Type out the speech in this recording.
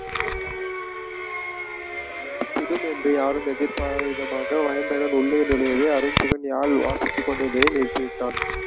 திடும் என்று யாரும் எதிர்பாராத விதமாக வயந்தகன் உள்ளே நுழையவே, அருஞ்சுகன் யாழ் வாசித்துக் கொண்டிருந்ததை நிறுத்திவிட்டான்.